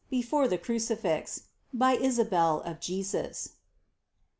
BEFORE THE CRUCIFIX. BY ISABEL OF JESUS.